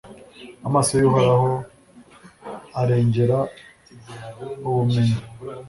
amaso y'uhoraho arengera ubumenyi